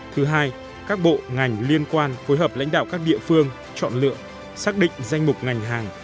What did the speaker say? thứ hai các bộ ngành liên quan phối hợp lãnh đạo các địa phương chọn lựa xác định danh mục ngành hàng